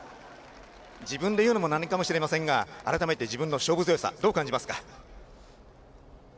自分で言うのも何かもしれませんが改めて、自分の勝負強さどう感じますか？